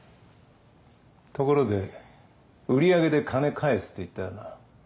ところで売り上げで金返すって言ったよな。